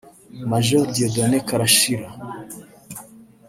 Major Dieudonné Karashira